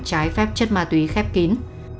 trái phép chất ma túy khép kín